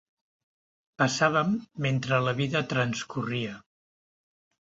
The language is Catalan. Passàvem mentre la vida transcorria.